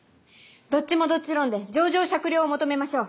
どっちもどっち論で情状酌量を求めましょう！